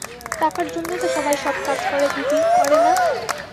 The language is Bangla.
টাকার জন্যই তো সবাই সব কাজ করে দিদি, করে না?